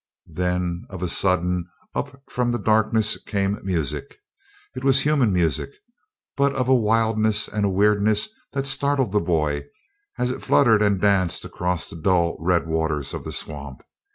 Then of a sudden up from the darkness came music. It was human music, but of a wildness and a weirdness that startled the boy as it fluttered and danced across the dull red waters of the swamp.